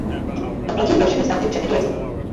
To platí pro všechny státy včetně Turecka.